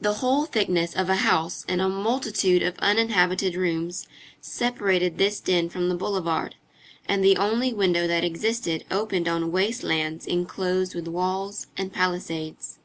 The whole thickness of a house and a multitude of uninhabited rooms separated this den from the boulevard, and the only window that existed opened on waste lands enclosed with walls and palisades.